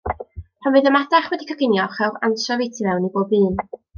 Pan fydd y madarch wedi'u coginio, rhowch ansiofi tu fewn i bob un.